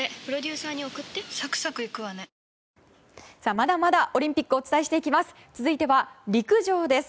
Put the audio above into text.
まだまだオリンピックお伝えしていきます。